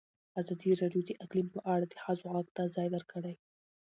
ازادي راډیو د اقلیم په اړه د ښځو غږ ته ځای ورکړی.